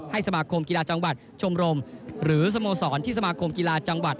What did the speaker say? สมาคมกีฬาจังหวัดชมรมหรือสโมสรที่สมาคมกีฬาจังหวัด